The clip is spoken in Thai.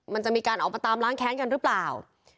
มันจะมีการออกมาตามล้างแค้นกันหรือเปล่า